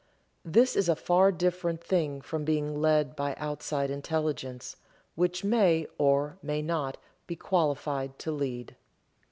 This is a far different thing from being led by outside intelligence, which may, or may not, be qualified to lead.